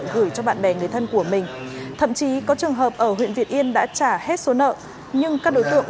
gửi cho bạn bè người thân của mình thậm chí có trường hợp ở huyện việt yên đã trả hết số nợ nhưng các đối tượng